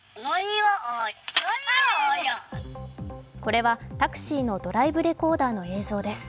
これはタクシーのドライブレコーダーの映像です。